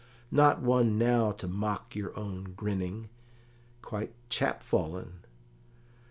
Not one now to mock your own grinning? quite chap fallen?